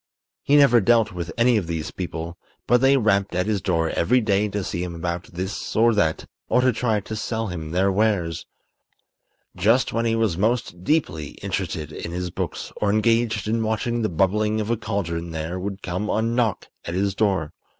He never dealt with any of these people; but they rapped at his door every day to see him about this or that or to try to sell him their wares. Just when he was most deeply interested in his books or engaged in watching the bubbling of a cauldron there would come a knock at his door.